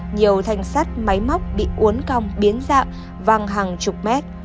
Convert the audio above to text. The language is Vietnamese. nhiều thanh sắt máy móc bị uốn cong biến dạng văng hàng chục mét